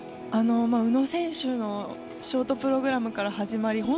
宇野選手のショートプログラムから始まり